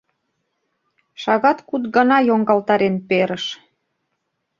Шагат куд гана йоҥгалтарен перыш...